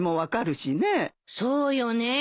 そうよね。